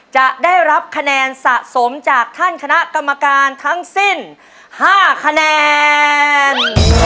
จะได้รับคะแนนสะสมจากท่านคณะกรรมการทั้งสิ้น๕คะแนน